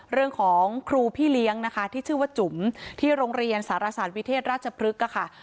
เรื่องของครูพี่เลี้ยงนะคะที่ชื่อว่าจุ๋มที่โรงเรียนสารศาสตร์วิเทศราชพฤกษ์ค่ะ